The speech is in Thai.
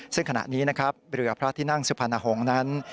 ซึ่งขณะนี้นะครับเรือพระที่นั่งสุพรรณหงษ์นั้น